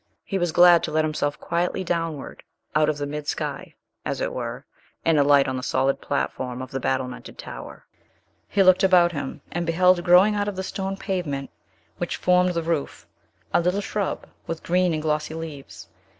He was glad to let himself quietly downward out of the mid sky, as it were, and alight on the solid platform of the battlemented tower. He looked about him, and beheld growing out of the stone pavement, which formed the roof, a little shrub, with green and glossy leaves.